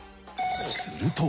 すると。